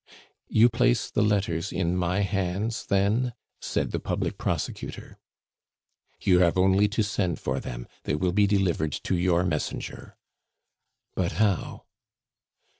"You place the letters in my hands, then?" said the public prosecutor. "You have only to send for them; they will be delivered to your messenger." "But how?"